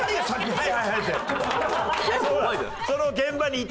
はい。